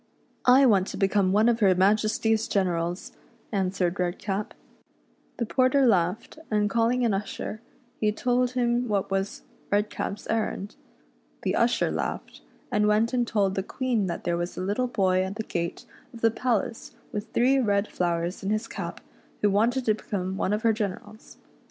I want to become one of her Majesty's generals," answered Redcap. The porter laughed, and calling an usher, he told 90 REDCAP'S ADVENTURES IN FAIRYLAND. him what was Redcap's errand. The usher laughed, and went and told the Queen that there was a little boy at the gate of the palace with three red flowers in his cap, who wanted to become one of her generals.